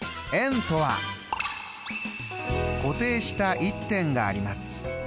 固定した１点があります。